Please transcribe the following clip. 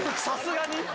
さすがに。